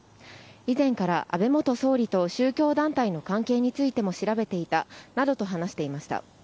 以前から安倍元総理と宗教団体の関係についても調べていたなどと話していました。